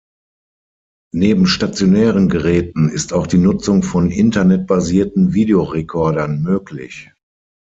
Neben stationären Geräten ist auch die Nutzung von internetbasierten Videorekordern möglich.